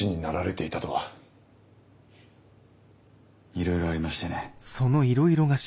いろいろありましてね。